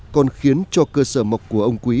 còn khiến cho cơ sở mọc của ông quý